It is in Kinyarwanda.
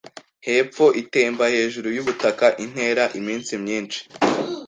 hepfo itemba hejuru yubutaka intera iminsi myinshi